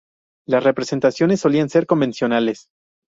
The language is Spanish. Las representaciones solían ser convencionales.